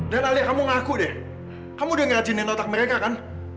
dan alia kamu ngaku deh kamu udah ngeracinin otak mereka kan